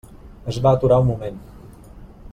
Es va aturar un moment.